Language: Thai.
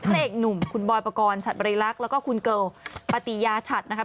พระเอกหนุ่มคุณบอยปกรณ์ฉัดบริรักษ์แล้วก็คุณเกิลปฏิญาชัดนะครับ